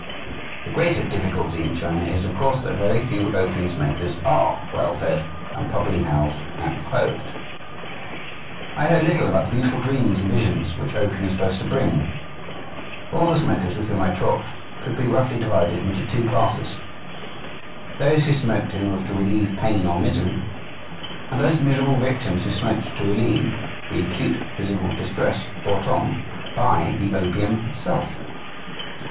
The greater difficulty in China is, of course, that very few opium smokers are well fed and properly housed and clothed. I heard little about the beautiful dreams and visions which opium is supposed to bring; all the smokers with whom I talked could be roughly divided into two classes those who smoked in order to relieve pain or misery, and those miserable victims who smoked to relieve the acute physical distress brought on by the opium itself.